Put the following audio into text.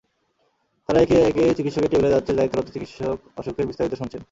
তারা একে একে চিকিৎসকের টেবিলে যাচ্ছে, দায়িত্বরত চিকিৎসক অসুখের বিস্তারিত শুনছেন।